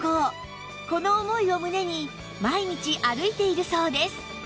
この思いを胸に毎日歩いているそうです